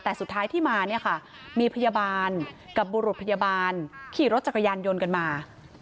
แต่สุดท้ายที่มาเนี่ยค่ะมีพยาบาลกับบุรุษพยาบาลขี่รถจักรยานยนต์กันมา